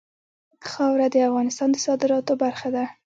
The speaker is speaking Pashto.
خاوره د افغانستان د صادراتو برخه ده.